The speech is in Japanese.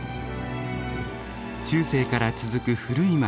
中世から続く古い街